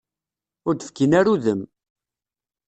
Ur d-fkin ara udem.